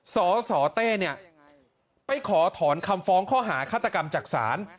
สสเต้เนี่ยไปขอถอนคำฟ้องข้อหาฆาตกรรมจากศาล